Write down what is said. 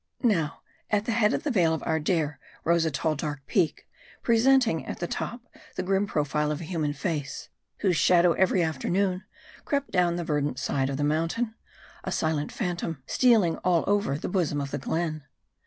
Now, at the head of the vale of Ardair, rose a tall, dark peak, presenting at the top the grim profile of a human HARD I. 185 face ; whose shadow, every afternoon, crept down the ver dant side of the mountain : a silent phantom, stealing all over the bosom of the glen.